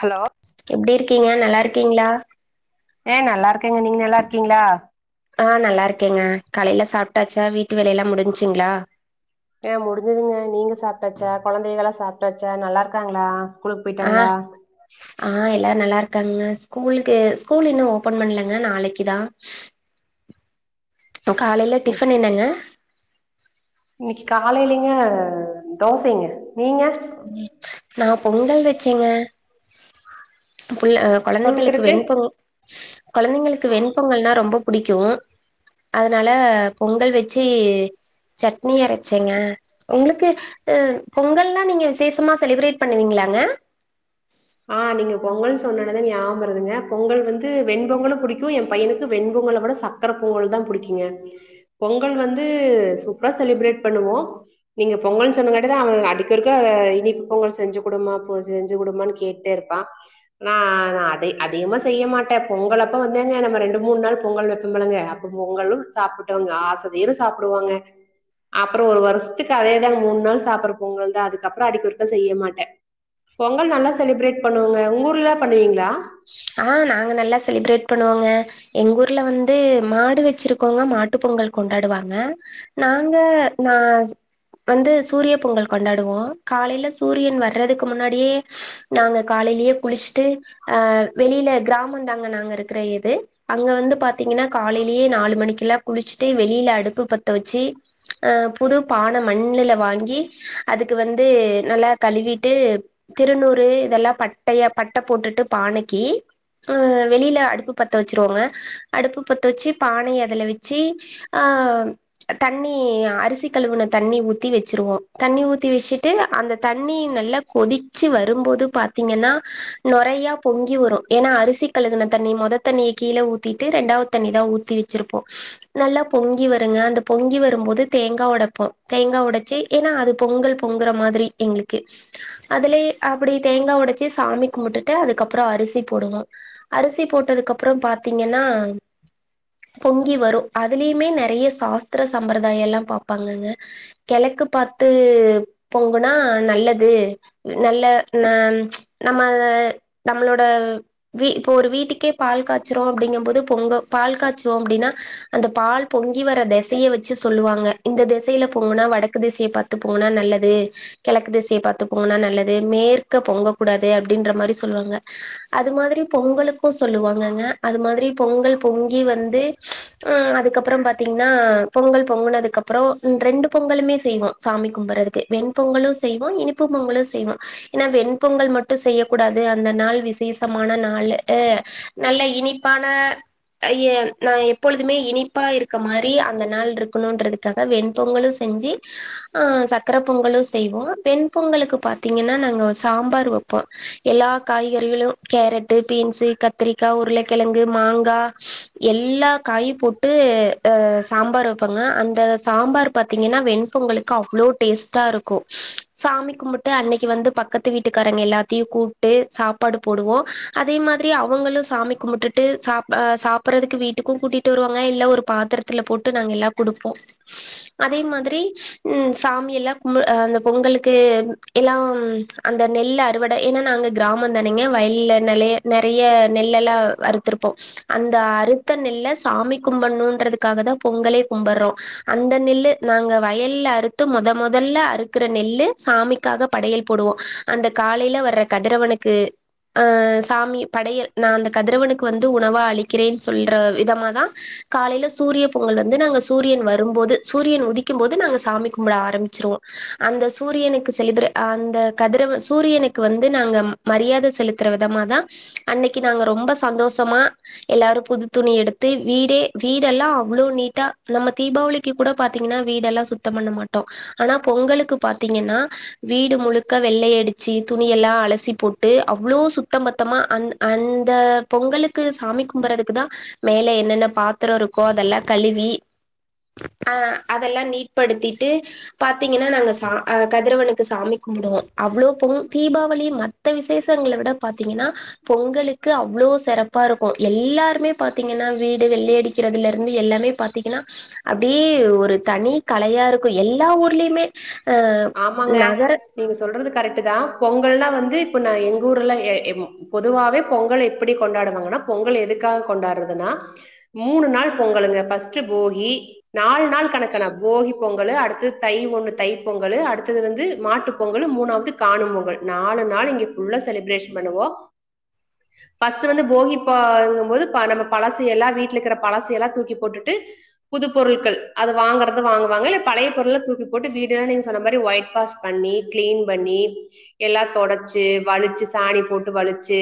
hello எப்டி இருக்கீங்க நல்லா இருக்கீங்ளா ஏ நல்லா இருக்கேங்க நீங்க நல்லா இருக்கீங்ளா ஆ நல்லா இருக்கேங்க காலையில சாப்ட்டாச்சா வீட்டு வேலை எல்லா முடிஞ்சுங்ளா எ முடிஞ்துங்க நீங்க சாப்ட்டாச்ச கொழந்தைகளா சாப்ட்டாச்ச நல்லா இருக்காங்ளா ஸ்கூலுக்கு ஆ போய்டாங்களா ஆ எல்லாரு நல்லா இருக்காங்கங்க ஸ்கூலுக்கு ஸ்கூல் இன்னு ஓபன் பண்ணலங்க நாளைக்கு தா காலையில டிஃபன் என்னங்க இன்னைக்கு காலையிலிங்க தோசைங்க நீங்க ம் நா பொங்கல் வச்சேங்க [unintelligible] குழந்தைங்களுக்கு தொட்டுக்கிறக்கு வெண்பொங் கொழந்தைங்களுக்கு வெண்பொங்கல்னா ரொம்ப பிடிக்கு அதனால பொங்கல் வச்சி சட்னி அரைச்சங்க உங்களுக்கு ஆ பொங்கல் [unintelligible] நீங்க விசேஷமா செலிப்ரேட் பண்ணுவீங்களாங்க ஆ நீங்க பொங்கல்ன்னு சொன்னாதுல நியாபருதுங்க பொங்கல் வந்து வெண்பொங்கலு பிடிக்கு எ பையனுக்கு வெண்பொங்கல விட சாக் சாக்கர பொங்கல் தா பிடிக்கீங்க பொங்கல் வந்து சூப்பரா செலிப்ரேட் பண்ணுவோ நீங்க பொங்கல்ன்னு சொன்னதுங்காட்டிதா அவனுங்க அடிக்கடிக்க இனிப்பு பொங்கல் செஞ்சி குடுமா பெ செஞ்சி குடுமான்னு கோட் டே இருப்பா நா நா அதி அதிகமா செய்ய மாட்டே பொங்கல் அப்ப வந்தேங்க நம்ம ரெண்டு மூணு நாள் பொங்கல் வப்போம் இல்லைங்க அப் பொங்களும் சாப்பிட்டோங்க ஆச தீர சாப்பிடுவோங்க அப்புறோ ஒரு வருஷத்துக்கு அதேதாங்க மூணு நாள் சாப்படுற பொங்கல்தா அதுக்கப்புறோ அடிக்க ஒருக்கா செய்ய மாட்டே பொங்கல் நல்லா செலிப்ரேட் பண்ணுவேங்க உங்க ஊர்ல்லா பண்ணுவீங்களா ஆ நாங்க நல்லா செலிப்ரேட் பண்ணுவோங்க எங்க ஊர்ல வந்து மாடு வச்சிருக்கோங்க மாட்டு பொங்கல் கொண்டாடுவாங்க நாங்க நா வந்து சூரிய பொங்கல் கொண்டாடுவோ காலையில சூரியன் வரதுக்கு முன்னாடியே நாங்க காலையிலேயே குளிச்சிட்டு அ வெளியில கிராமம் தாங்க நாங்க இருக்கிற இது அங்க வந்து பாத்தீங்கன்னா காலையிலேயே நாலு மணிக்கலா குளிச்சிட்டு வெளியில அடுப்பு பத்த வச்சி ஆ புது பான மண்ணுல வாங்கி அதுக்கு வந்து நல்லா கழுவிட்டு திருநூறு இதெல்லா பட்டைய பட்ட போட்டுட்டு பானைக்கி ஆ வெளியில அடுப்பு பத்த வச்சிருவோங்க அடுப்பு பத்த வச்சி பானைய அதுல வச்சி ஆ தண்ணி அரிசி கழவுன தண்ணி ஊத்தி வச்சிருவோ தண்ணி ஊத்தி வைச்சிட்டு அந்த தண்ணி நல்லா கொதிச்சி வரும்போது பாத்தீங்கன்னா நுறையா பொங்கி வரு ஏன்னா அரிசி கழுவுன தண்ணி முத தண்ணிய கீழே ஊத்திட்டு ரெண்டாவது தண்ணி தா ஊத்தி வச்சி இருப்போ நல்லா பொங்கி வருங்க அந்த பொங்கி வரும்போது தேங்கா உடைப்போ தேங்கா உடைச்சி ஏன்னா அது பொங்கல் பொங்கற மாதிரி எங்களுக்கு அதுலேயே அப்படி தேங்கா உடைச்சி சாமி கும்பிட்டுட்டு அதுக்கப் புறோ அரிசி போடுவோ அரிசி போட்டதுக்கு அப்புறம் பாத்தீங்கன்னா பொங்கி வரு அதுலயுமே நெறைய சாஸ்திர சம்பிரதாயல்லா பாப்பாங்கக கிழக்கு பாத்து பொங்குனா நல்லது நல்ல நா நம்மள நம்மளோட வீ இப்ப ஒரு வீட்டுக்கே பால் காச்சிறோ அப்படிங்க போது பொங்க பால் காச்சிவோ அப்படின்னா அந்த பால் பொங்கி வர திசைய வச்சி சொல்லுவாங்க இந்த திசையில பொங்குனா வடக்கு திசைய பாத் த் போனா நல்லது கிழக்கு திசைய பாத்து பொங்குன்னா நல்லது மேற்க பொங்க கூடாது அப்படின்ற மாரி சொல்லுவாங்க அது மாரி பொங்கலுக்கு சொல்லுவாங்கங்க அது மாரி பொங்கல் பொங்கி வந்து ஆ அதுக்கப்புறம் பாத்தீங்கன்னா பொங்கல் பொங்குனதுக் அதுக்கப்புறோ ரெண்டு பொங்கலுமே செய்வோ சாமி கும்பறதுக்கு வெண் பொங்கலு செய்வோ இனிப்பு பொங்கலு செய்வோ ஏன்னா வெண்பொங்கல் மட்டு செய்யக் கூடாது அந்த நாள் விசேஷமான நாளு அ நல்ல இனிப்பான அ எ நா எப்பொழுதுமே இனிப்பா இருக்க மாரி அந்த நாள் இருக்கணும்ன்றது க்காக வெண்பொங்கலு செஞ்சி சக்கர பொங்கலு செய்வோ வெண்பொங்கலுக்கு பாத் தீங்கன்னா நாங்க சாம்பார் வைப்போ எல்லா காயு எல்லுலு கேரட்டு பீன்ஸ் கத்திரிக்கா உருளக்கிழங்கு மாங்கா எல்லா காயு போட்டு சாம்பார் வப்பாங்க அந்த சாம்பார் பாத்தீங்கன்னா வெண்பொங்கலுக் கு அவ்ளோ டேஸ்ட்டா இருக்கு சாமி கும்புட்டு அன்னைக்கி வந்து பக்கத்து வீட்டுக்காரங்க எல்லாத்தையு கூப் ட்டு சாப் ப்பாடு போடுவோ அதே மாரி அவங்களு சாமி கும்பிட்டுட்டு சாப் சாப்பிடுறதுக்கு வீட்டுக்கு கூட்டிட்டு விட்டு வருவாங்க இல்ல ஒரு பாத்தரத்துல போட்டு நாங்க எல்லாம் குடுப்போ அதே மாரி ம் சாமிலா கும் அந்த பொங்கலுக்கு எல்லா அந்த நெல் அறுவடை ஏன்னா நாங்க கிராம் வந்தானேங்க வயல்ல நிலய நெறைய நெள்ல் எல்லா அறுத்துருப்போ அந்த அறுத்த நெல்ல சாமி கும்பணும்ன்றதுக்காக தா பொங்கலே கும்பட்ரோ அந்த நெல்லு நாங்க வயல்ல அறுத்து முத முதல்ல அறுக்குற நெல்லு சாமிக் க்காக படையல் போடுவோ அந்த காலைல வர கதிரவனுக்கு அ சாமி படையல் நான் அந்த கதிரவனுக்கு வந்து உணவா அளிக்கிறேன்னு சொல்ற விதமாதான் காலைல சூரிய பொங்கல் வந்து நாங்க சூரியன் வரும்போது சூரியன் உதிக்கும் போது நாங்க சாமி கும்பிட ஆரம்பிச்சவோ அந்த சூரியனுக்கு செய்கிற அந்த கதிரவனுக்கு சூரியனுக்கு வந்து நாங்க மரியாதை செலுத்துற விதமாதா அன்னைக்கு நாங்க ரொம்ப சந்தோஷமா எல்லாரு புது துணி எடுத்து வீடே வீடெல்லா அவ்ளோ நீட்டா நம்ம தீபாவளி நிக்க கூட பாத்தீங்கன்னா வீடெல்லாம் சுத்தம் பண்ண மாட்டோ ஆனா பொங்கலுக்கு பாத்தீங்கன்னா வீடு முழுக்க வெள்ளை அடிச்சு துணி எல்லா அலசி போட் ட்டு அவ்வளோ சுத்தம் பத்தமா அந்த் அந்த பொங்கலுக்கு சாமி கும்புறதுக்கு தா மேல என்னென்ன பாத்திரோ இருக்கோ அதெல்லா கழுவி ஆ அதெல்லா நீட்படுத்திட்டு பாத்தீங்கன்னா நாங்க சா அஹ் கதிரவனுக்கு சாமி கும்படுவோ அவ்ளவு போகு தீபாவளி மத் மத்த விசேஷங்களை விட பாாரத்தீங்கன்னா பொங்கலுக்கு அவ்ளோ சிறப்பா இருக்கு எல்லாருமே பாார்த்தீங்கன்னா வீடு வெள்ளை அடிக்கிறதுல இருந்து எல்லாமே பாத் தீங்கன்னா அப்டியே ஒரு தனி கலையா இருக்கு எல்லா ஊர்லேயுமே ஆமாங்க நீங்க சொல்றது கரெக்ட் தான் பொங்கல்ல்லா வந்து இப்ப நா எங்க ஊர்ல எ எப்போ பொதுவாவே பொங்கல் எப்படி கொண்டாடுவாங்கன்னா பொங்கல் எதுக்காக கொண்டாடுறதுன்னா மூணு நாள் பொங்கலுங்க ஃபஸ்ட்டு போகி நாலு நாள் கணக்கு ன போகி பொங்கல் அடுத்து தை ஒண்ணு தை பொங்கலு அடுத்தது வந்து மாட்டு பொங்கல் மூணாவது காணும் பொங்கல் நாலு நாள் இங்க ஃ புல்லா செலிப்ரேஷன் பண்ணுவோ பஸ்ட்டு வந்து போகிப்பங்கும்போது நம்ம பழசை எல்லா வீட்ல இருக்கிற பழசை எல்லா தூக்கி போட்டுட்டு புது பொருட்கள் அது வாங்குறத வாங்குவாங்க இல்ல பழைய பொருளை தூக்கி போட்டு வீட் இல்ல நீங்க சொன்ன மாதிரி ஒய்ட் வாஷ் பண்ணி கிளீன் பண்ணி எல்லா தொடைச்சு வலிச்சு சாணி போட்டு வலிச்சு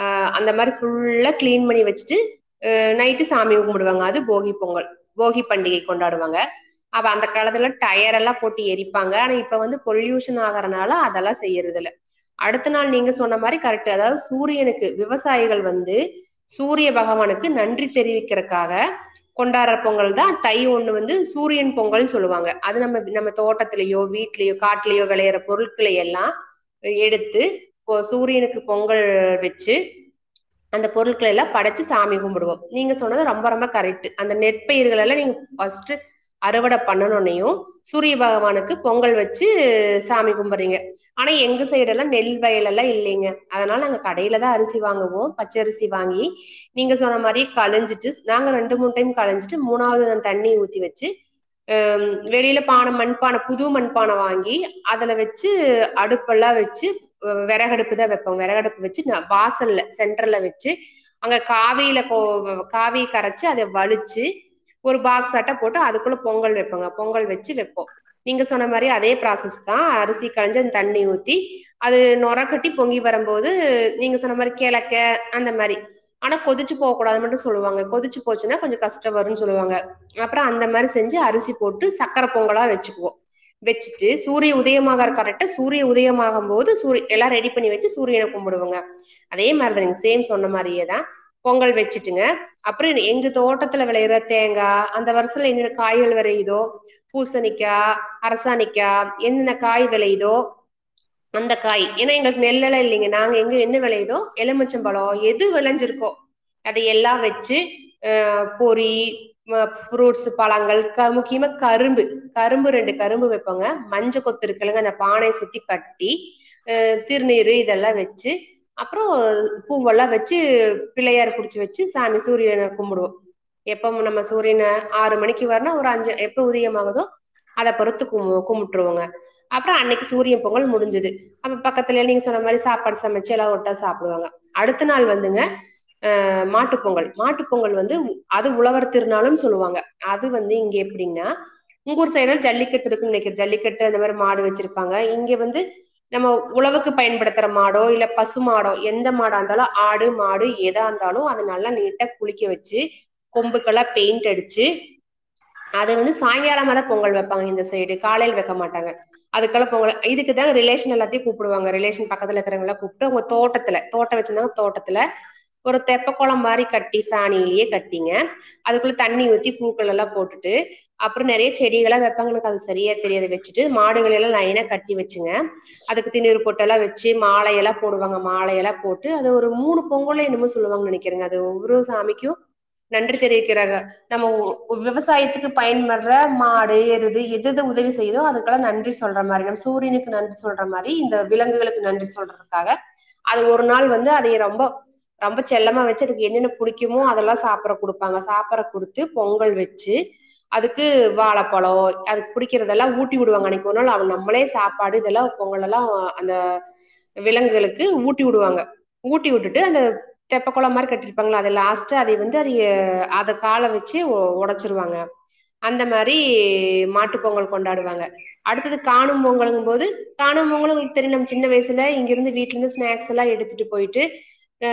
ஆ அந்த மாதிரி ஃபுல்லா கிளீன் பண்ணி வச்சுட்டு அ நைட்டு சாமி க கும்பிடுவாங்க அது போகி பொங்கல் போகி பண்டிகை கொண்டாடுவாங்க அப்ப அந்த காலத்துல டயர் எல்லா போட்டு எரிப்பாங்க ஆனா இப்ப வந்து பொல்யூஷன் ஆகறனால அதெல்லா செய்யறதில்ல அடுத்த நாள் நீங்க சொன்ன மாதிரி கரெக்ட் அதாவது சூரியனுக்கு விவசாயிகள் வந்து சூரிய பகவானுக்கு நன்றி தெரிவிக்கிறக்காக கொண்டாடுற பொங்கல் தா தை ஒன்னு வந்து சூரியன் பொங்கல்னு சொல்லுவாங்க அது நம்ம நம்ம தோட்டத்திலியோ வீட்லியோ காட்டுலயோ வெளையாற பொருட்கள எல்லா எடுத்து பொ சூரியனுக்கு பொங்கல் வச்சு அந்த பொருட்கள எல்லா படைச்சு சாமி கும்புடுவோ நீங்க சொன்னது ரொம்ப ரொம்ப கரெக்ட்டு அந்த நெற்பயிர்களெல்லா நீங்க பஸ்ட்டு அறுவட பண்ணனோனையு சூரிய பகவானுக்கு பொங்கல் வச்சு சாமி கும்புறீங்க ஆனா எங்க சைட்ல எல்லா நெல் வயல் எல்லா இல்லிங்க அதனால நாங்க கடையிலதா அரிசி வாங்குவோ பச்சரிசி வாங்கி நீங்க சொன்ன மாரி களஞ்சிட்டு நாங்க ரெண்டு மூணு டைம் கழஞ்சிட்டு மூணாவுது அந்த தண்ணி ஊத்தி வச்சு ஆ வெளியில பான மண்பான புது மண்பான வாங்கி அதுல வெச்சு அடுப்பெல்லா வெச்சு வ வெறகடுப்புதா வைப்போ வெறகடுப்பு வச்சு ந வாசல்ல சென்டர்ல வச்சு அங்க காவியில போகனு காவி கரைச்சு அத வழிச்சு ஒரு பாக்ஸாட்டோ போட்டு அதுக்குள்ள பொங்கல் வெப்பாங்க பொங்கல் வெ ச்சு வெப்போ நீங்க சொன்ன மாரி அதே ப்ராசஸ்தா அரிசி கஞ்சி அந்த தண்ணி ஊத்தி அது நொற கட்டி பொங்கி வரம்போது நீங்க சொன்ன மாரி கெழக்க அந்த மாரி ஆனா கொதிச்சு போ கூடாதுன் மட்டு சொல்லுவாங்க கொதிச்சு போச்சுன்னா கொஞ்சோ கஷ்ட வருன்னு சொல்லுவாங்க அப்புறோ அந்த மாரி செஞ்சு அரிசி போட்டு சக்கர பொங்கலா வெச்சிக்குவோ வச்சிட்டு சூரிய உதயமாகார கரெக்டா சூரிய உதயமாகம்போது சூரி எல்லா ரெடி பண்ணி வச்சு சூரியன கும்பிடுவங்க ஆதே மாரிதானுங்க சேம் சொன்ன மாதிரியேதா பொங்கல் வச்சிட்டுங்க அப்பறோ என்னெ எங்க தோட்டத்துல வெளையற தேங்கா அந்த வருஷல்ல என்ன காய்கள் வெரையுதோ பூசணிக்கா அரசாணிக்கா என்னென்ன காய் வெளையுதோ அந்தக்காய் ஏன்னா எங்களுக்கு நெல் எல்லா இல்லிங்க நாங்க எங்க என்ன வெளையுதோ எலுமிச்சம்பழோ எது வெளஞ்சிருக்கோ அத எல்லா வெச்சு அ பொறி வ ப்ரூட்ஸு பழங்கள் க முக்கியமா கரும்பு கரும்பு ரெண்டு கரும்பு வெப்போங்க மஞ்ச கொத்து இருக்கில்லங்க அந்த பானைய சுத்தி கட்டி அ திருநீரு இதெல்லா வெச்சு அப்பறோ பூவெல்லா வெச்சு ட்டு பிள்ளையார புடிச்சு வெச்சு சாமி சூரியன கும்பிடுவோ எப்பவு நம்ம சூரியன ஆறு மணிக்கு வருனா ஒரு அஞ்சு எப் போ உதயமாகுதோ அத பொறுத்து கும்மு கும்புட்ருவோங்க அப்பறோ அன்னைக்கு சூரிய பொங்கல் முடிஞ்சுது நம்ம பக்கத்துலயே நீங்க சொன்ன மாரி சாப்பாடு சமைச்சு எல்லா ஒட்டா சாப்பிடுவோங்கோ அடுத்த நாள் வந்துங்க ஆ மாட்டுப் பொங்கல் மாட்டுப் பொங்கல் வந்து உ அது உழவர் திருநாளுனு சொல்லுவாங்க அது வந்து இங்க எப் எப்படின்னா உங்க ஊரு சைடெல்லா ஜல்லிக்கட்டு இருக்கு நெனக்கிற ஜல்லிக்கட்டு அந்த மாரி மாடு வச்சிருப்பாங்க இங்க வந்து நம்ம உழவுக்கு பயன்படுத்துற மாடோ இல்ல பசு மாடோ எந்த மாடா இருந்தாலு ஆடு மாடு எ தா இந்தாலு அத நல்லா நீட்டா குளிக்க வெச்சு கொம்புக்கெல்லா பெயிண்ட் அடிச்சு அத வந்து சாய்ங்கால மேல பொங்கல் வெப்பாங்க இந்த சைடு காலைல வெக்க மாட்டாங்க அதுக்கெல்லா போகல இதுக்கு தா ரிலேஷன் எல்லாத்தையு கூப்புடுவாங்க ரிலேஷன் பக்கத்துல இருக்கிறங்கல்ல கூப்ட்டு அவுங்க தோட்டத்துல தோட்ட வெச்சிருந்தாங் தோட்டத்துல ஒரு தெப்ப கொளோ மாரி கட்டி சாணியிலியே கட்டிங்க அதுக்குள்ள தண்ணி ஊத்தி பூக்களெல்லா போட்டு ட்டு அப்பறோ நெறைய செடிகலா வெப்பாங்களுக்கா அது சரியா தெரியாது வெச்சுட்டு மாடுகளெல்லா லயனா கட் வெச்சுங்க அதுக்கு திண்ணூரு பொட் ல்லா வெச்சு மாலையெல்லா போடுவாங்க மாலையெல்லா போட்டு அத ஒரு மூணு பொங்கலோ என்னமோ சொல்லுவாங்க நெனக்கிற கிருங்க அது ஒவ்வுரு சாமிக்கு நன்றி தெரிவிக்கிறாங்க நம்ம உ உ விவசாய வசாயத்துக்கு பயன்படுற மாடு எருது எதெது உதவி செய்தோ அதுக்கெல்லா நன்றி சொல்ற மாரி நம்ம சூரியனுக்கு நன்றி சொல்ற மாரி இந்த விலங்குகளுக்கு நன்றி சொல்றதுக்காக அது ஒரு நாள் வந்து அதையே ரொம்போ ரொம்ப செல்லமா வெச்சு அதுக்கு என்னென்ன புடிக்குமோ அதெல்லா சாப்பட குடுப்பாங்க சாப்பட குடுத்து பொங்கல் வெச் ச்சு அதுக்கு வாழப்பழ அதுக்கு புடிக்கிறதெல்லா ஊட்டி வுடுவாங்க அன்னைக்கு ஒரு நாள் அது நம்மளே சாப்பாடு இதெல்லா பொங்கலலா அந்த விலங்குகளுக்கு ஊட்டி வுடுவாங்க ஊட்டி வுட்டுட்டு அந்த தெப்ப கொள மாரி கட்டிருப்பாங்ள அத லாஸ்ட்டு அதிந்தரி அத கால வெச்சு ஒடச்சு ருவாங்க அந்த மாரி மாட்டு பொங்கல் கொண்டாடுவாங்க அடுத்தது காணும் பொங்கலுங் போது காணும் பொங்கலு உங்ளுக் தெரியு நம்ம சின்ன வயசுல இங்கிருந்து வீட்லந்து ஸ்னாக்ஸ்லா எடுத்துட் ட்டு போயிட்டு அ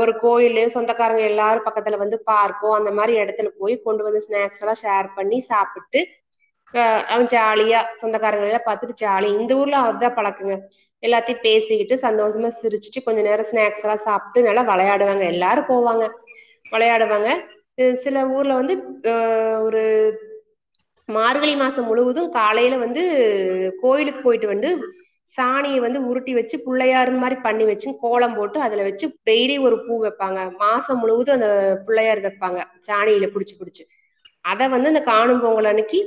ஒரு கோயில்லே சொந்தக்காரங்க எல்லாரு பக்கத்துல வந்து பார்க்கோ அந்த மாரி எடத்துல போய் கொண்டு வந்த ஸ் ஸ்நாக்ஸ்ஸலா ஷேர் பண்ணி சாப்பிட்டு ஆ அவ ஜாலியா சொந்தக்காரங்களேலா பாத்துட்டு ஜாலியா இந்த ஊர்ல அதா பழக்கங்க எல்லாத்தியு பேசிக்கிட்டு சந்தோஷமா சிரிச்சிட்டு கொஞ்ச நேர ஸ்நாக்ஸ்ஸலா சாப்ட்டு நல்லா வெளையாடுவாங்க எல்லாரு போவாங்க வெளையாடுவாங்க சில ஊர்ல வந்து ஆ ஒரு மார்கழி மாச முழுவதும் காலைல வந்து கோயிலுக் போய்ட்டு வன்டு சாணிய வந்து உருட்டி வச்சு புள்ளையாரு மாரி பண்ணி வச்சு கோலம் போட்டு அதுல வெச்சு டெய்லி ஒரு பூ வெப்பாங்க மாச முழுவது அந்த புள்ளையார் வெப்பாங்க சாணியில புடிச்சு புடிச்சு அத வந்து இந்த காணும் பொங்கல் அன்னைக்கி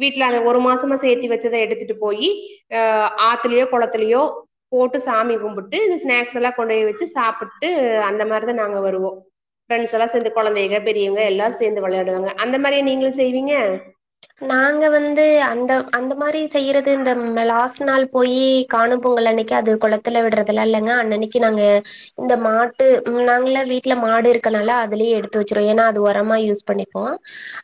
வீட்ல அத ஒரு மாசமா சேத்தி வச்சத எடுத்துட்டு போயி அ ஆத்துலயோ குளத்திலயோ போட்டு சாமி கும்புட்டு இந்த ஸ்நாக்ஸ்ஸலா கொண்டோய் வச்சு சாப்புட்டு அந்த மாரிதா நாங்க வருவோ பிரெண்ட்ஸ்ஸல்லா சேந்து கொழந்தைங்க பெரியவங்க எல்லாரு சேந்து விளையாடுவாங்க அந்த மாரிய நீங்களு செய்வீங்க நாங்க வந்து அந்த அந்த மாரி செய்யறது இந்த லாஸ்டு நாள் போயி காணும் பொங்கல் அன்னைக்கி அது கொளத்துல விடுறதுலா இல்லைங்க அன்னன்னக்கி நாங்க இந்த மாட்டு நாங்களல்லா வீட்ல மாடு இருக்கனால அதுலே எடுத்து வச்சிரோ ஏன்னா அது உரமா யூஸ் பண்ணிப்போ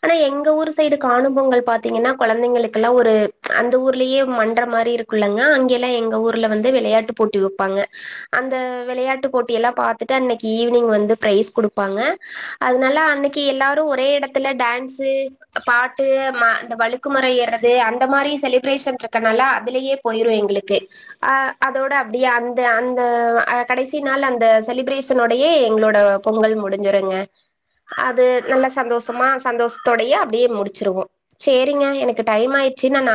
ஆனா எங்க ஊரு சைடு காணு பொங்கல் பாத்தீங்கன்னா கொழந்தைங்களுகிலா ஒரு அந்த ஊர்லியே மன்ற மாரி இருக் குள்ளங்க அங்கேல்லா எங்க ஊர்ல வந்து விளையாட்டு போட்டி வெப்பாங்க அந்த விளையாட்டு போட்டி எல்லா பாத்துட்டு அன்னைக்கி ஈவினிங் வந்து பிரைஸ் குடுப்பாங்க அதுனால அன்னைக்கி எல்லாரு ஒரே இடத்துல டான்ஸு பாட் ட்டு ம இந்த வழுக்குமர ஏற்றது அந்த மாரி செலிப்ரேஷன் ரிக்கனால அதுலேயே போயிறு எங்களுக்கு அ அதோட அப்டியே அந்த அந்த கடைசி நாள் அந்த செலிப்ரேஷனோடையே எங்ளோட பொங்கல் முடிஞ்சுருங்க அது நல்ல சந்தோஷமா சந்தோஷத்தோடையே அப்டியே முடிச் சுருவோ சேரிங்க எனக்கு டைம் ஆயிச்சு நா நாளைக்